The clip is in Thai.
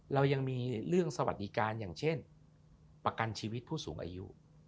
เรายังมีเรื่องสวัสดิการอย่างเช่นประกันชีวิตผู้สูงอายุ